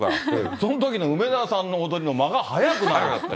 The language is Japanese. そのときに梅沢さんの踊りの間が速くなるんですって。